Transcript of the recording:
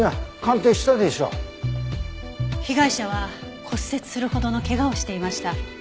被害者は骨折するほどの怪我をしていました。